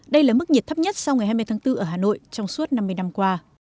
đây là mức nhiệt thấp nhất sau ngày hai mươi tháng bốn ở hà nội trong suốt năm mươi năm qua